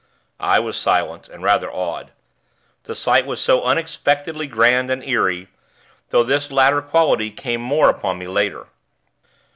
I was silent, and rather awed. The sight was so unexpectedly grand and eerie; though this latter quality came more upon me later.